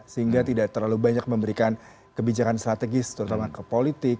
sehingga tidak terlalu banyak memberikan kebijakan strategis terutama ke politik